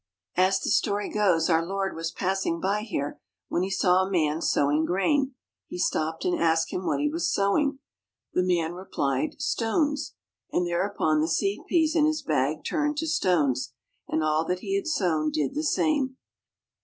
As the story goes, our Lord was passing by here when He saw a man sowing grain. He stopped and asked him what he was sowing. The man replied " stones." And thereupon the seed peas in his bag turned to stones, and all that he had sown did the same.